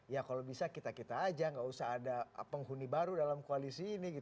ya kalau bisa kita kita aja nggak usah ada penghuni baru dalam koalisi ini